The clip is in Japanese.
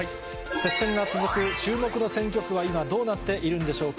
接戦が続く注目の選挙区は今、どうなっているんでしょうか。